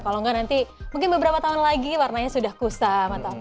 kalau enggak nanti mungkin beberapa tahun lagi warnanya sudah kusam atau apa